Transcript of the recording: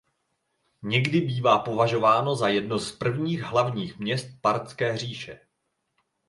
Někdy bývá považováno za jedno z prvních hlavních měst Parthské říše.